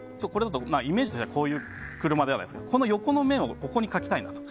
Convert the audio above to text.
イメージとしてはこういう車なんですがこの横の面をここに描きたいなと。